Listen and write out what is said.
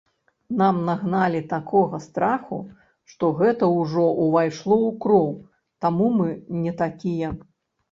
Нам нагналі такога страху, што гэта ўжо ўвайшло ў кроў, таму мы не такія.